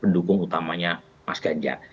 pendukung utamanya mas ganjar